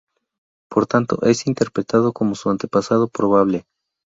Por tanto, es interpretado como su antepasado probable.